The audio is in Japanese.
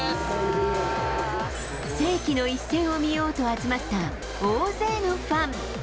世紀の一戦を見ようと集まった大勢のファン。